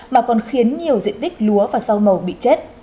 mà còn khiến nhiều diện tích lúa và rau màu bị chết